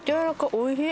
おいしい！